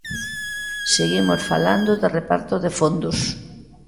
Seguimos falando de reparto de fondos.